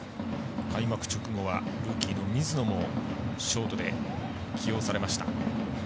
開幕直後は、ルーキーの水野もショートで起用されました。